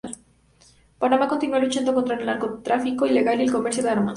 Panamá continúa luchando contra el narcotráfico ilegal y el comercio de armas.